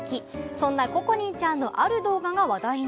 そんなココにんちゃんのある動画が話題に。